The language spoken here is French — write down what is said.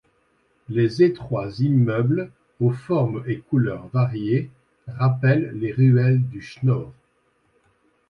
Les étroits immeubles aux formes et couleurs variées, rappellent les ruelles du Schnoor.